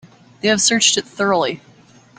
They have searched it thoroughly.